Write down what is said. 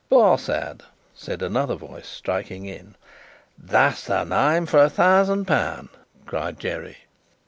"Barsad," said another voice, striking in. "That's the name for a thousand pound!" cried Jerry.